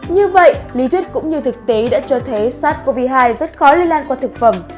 như vậy lý thuyết cũng như thực tế đã cho thấy sars cov hai rất khó lây lan qua thực phẩm